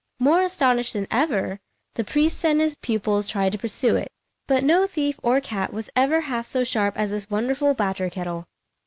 More astonished than ever, the priest and his pupils tried to pursue it; but no thief or cat was ever half so sharp as this wonderful badger kettle.